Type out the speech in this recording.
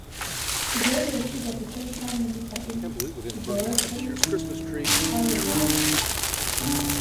Shigeru Yoshida became prime minister in Shidehara's wake.